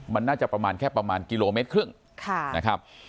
มันน่าจะประมาณแค่ประมาณกิโลเมตรครึ่งนะครับ